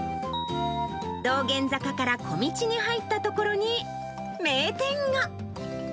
道玄坂から小道に入った所に名店が。